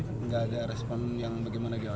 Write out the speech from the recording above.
tim kuasa hukum menjawab